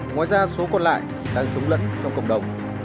ngoài ra số còn lại đang sống lẫn trong cộng đồng